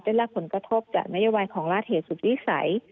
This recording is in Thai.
ได้รับผลกระทบจากนโยบายของราชเหตุสุดวิสัย